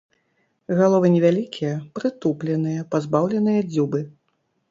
Галовы невялікія, прытупленыя, пазбаўленыя дзюбы.